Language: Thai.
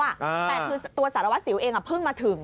แต่คือตัวสารวัสสิวเองเพิ่งมาถึง